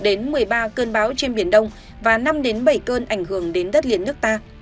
đến một mươi ba cơn bão trên biển đông và năm bảy cơn ảnh hưởng đến đất liền nước ta